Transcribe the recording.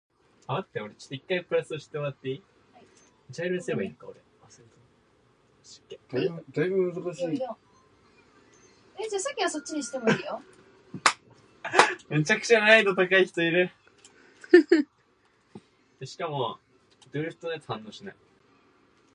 Multiple seasons in parentheses.